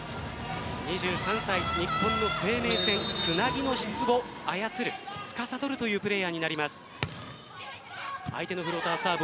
２３歳、日本の生命線つなぎの質を操るつかさどるというプレーヤーになります。